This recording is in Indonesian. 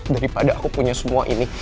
daripada aku punya semua ini